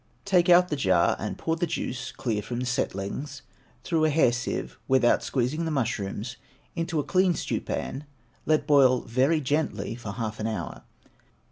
Take out the jar, and pour the juice, clear from the settlings, through a hair sieve (without squeezing the mushrooms), into a clean stewpan; let it boil very gently for half an hour.